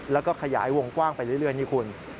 แล้วก็ขยายวงกว้างไปเรื่อยนี่คุณ